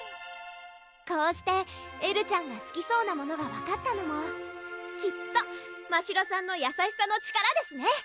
こうしてエルちゃんがすきそうなものが分かったのもきっとましろさんのやさしさの力ですね